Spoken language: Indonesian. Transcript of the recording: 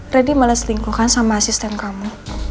rendy malas lingkuhkan sama asisten kamu